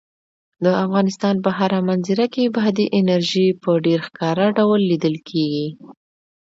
د افغانستان په هره منظره کې بادي انرژي په ډېر ښکاره ډول لیدل کېږي.